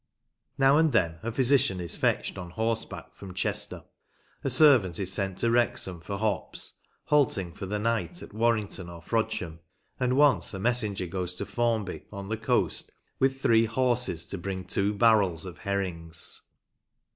Now and then a physician is fetched on horseback from Chester; a servant is sent to Wrexham for hops, halting for the night at Warrington or Frodsham; and once a messenger goes to Formby, on the coast, with three horses to bring two barrels of herrings.